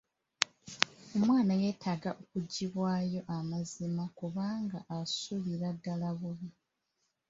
Omwana ye yetaaga kuggyibwayo amazima kubanga asulira ddala bubi.